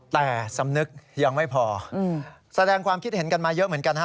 แต่สำนึกยังไม่พอแสดงความคิดเห็นกันมาเยอะเหมือนกันฮะ